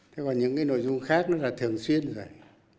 thế còn những cái nội dung khác nó là thường xuyên rồi